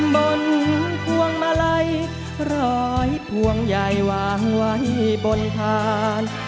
พวงมาลัยร้อยพวงใหญ่วางไว้บนทาน